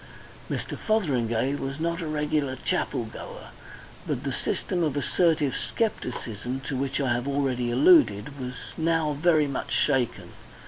Mr. Fotheringay was not a regular chapelgoer, but the system of assertive scepticism, to which I have already alluded, was now very much shaken.